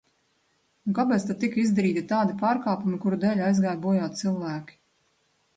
Un kāpēc tad tika izdarīti tādi pārkāpumi, kuru dēļ aizgāja bojā cilvēki?